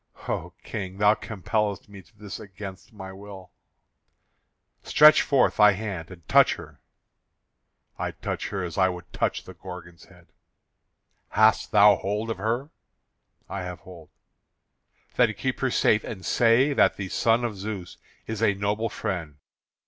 "O King, thou compellest me to this against my will." "Stretch forth thy hand and touch her." "I touch her as I would touch the Gorgon's head." "Hast thou hold of her?" "I have hold." "Then keep her safe, and say that the son of Zeus is a noble friend.